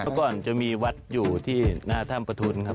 ก่อนจะมีวัดอยู่ที่หน้าถ้ำประทุนครับ